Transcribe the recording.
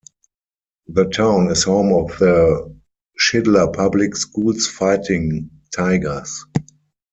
The town is home of the Shidler Public Schools Fighting Tigers.